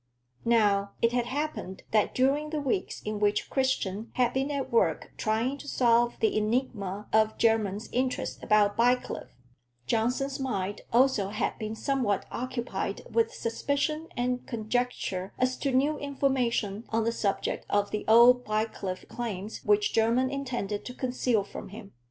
Now it had happened that during the weeks in which Christian had been at work trying to solve the enigma of Jermyn's interest about Bycliffe, Johnson's mind also had been somewhat occupied with suspicion and conjecture as to new information on the subject of the old Bycliffe claims which Jermyn intended to conceal from him.